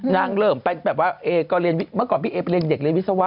นางเริ่มแบบว่าเมื่อก่อนพี่เอไปเรียนเด็กเรียนวิศวะ